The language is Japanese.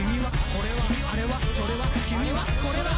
「これはあれはそれはこれは」